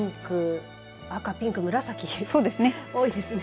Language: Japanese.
赤、ピンク、紫多いですね。